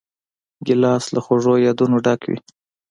ګیلاس له خوږو یادونو ډک وي.